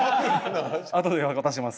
あとで渡します